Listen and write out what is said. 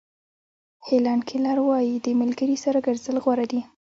هیلن کیلر وایي د ملګري سره ګرځېدل غوره دي.